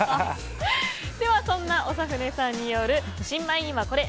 そんな長船さんによる新米にはコレ！